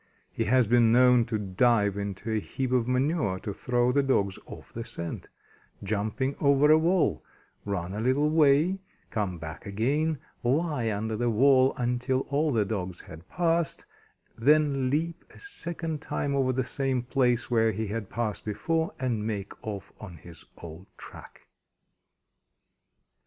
He has been known to dive into a heap of manure to throw the dogs off the scent; jumping over a wall, run a little way, come back again, lie under the wall until all the dogs had passed, then leap a second time over the same place where he had passed before, and make off on his old track.